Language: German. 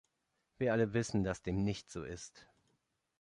Wir alle wissen, dass dem nicht so ist.